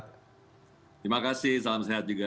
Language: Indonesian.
terima kasih salam sehat juga